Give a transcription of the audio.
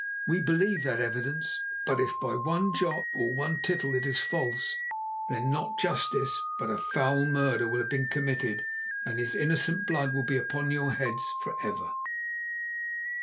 We believe that evidence, but if by one jot or one tittle it is false, then not justice, but a foul murder will have been committed and his innocent blood will be upon your heads for ever.